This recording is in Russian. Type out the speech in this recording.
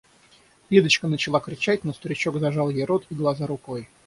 Лидочка начала кричать, но старичок зажал ей рот и глаза рукой.